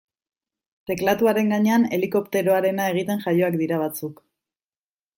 Teklatuaren gainean helikopteroarena egiten jaioak dira batzuk.